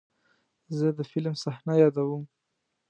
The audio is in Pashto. زه د فلم صحنه یادوم.